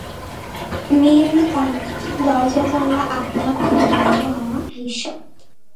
মেয়েলি কান্না, দরজা-জানালা আপনা-আপনি বন্ধ হওয়া-এইসব।